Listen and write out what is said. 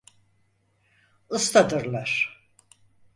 Ustadırlar…